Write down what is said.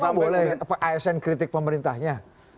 tapi emang boleh asn kritik pemerintahnya